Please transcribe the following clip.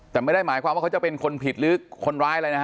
แต่ไม่ได้หมายความว่าเขาจะเป็นคนผิดหรือคนร้ายอะไรนะฮะ